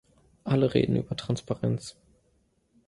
Alle reden über Transparenz.